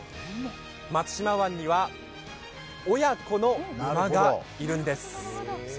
松島湾には親子の馬がいるんです。